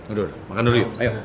udah makan dulu yuk ayo